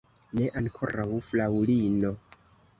Ne ankoraŭ, fraŭlino.